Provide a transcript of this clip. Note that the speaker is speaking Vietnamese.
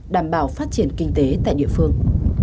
đảm bảo phát triển kinh tế tại địa phương